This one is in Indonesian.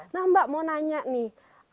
nah mbak mau nanya nih